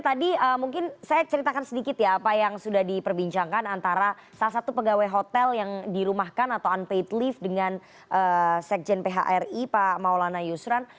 tadi mungkin saya ceritakan sedikit ya apa yang sudah diperbincangkan antara salah satu pegawai hotel yang dirumahkan atau unpaid leave dengan sekjen phri pak maulana yusran